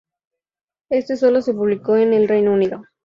Este solo se publicó en el Reino Unido.